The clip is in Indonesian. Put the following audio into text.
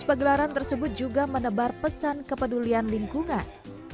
pegelaran tersebut juga menebar pesan kepedulian lingkungan